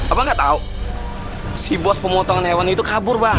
abang gak tau si bos pemotongan hewan itu kabur bang